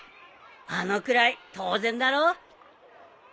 あのくらい当然だろ。